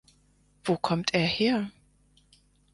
Wo kommt er her?